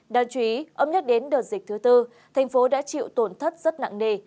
đáng chú ý ông nhắc đến đợt dịch thứ tư thành phố đã chịu tổn thất rất nặng nề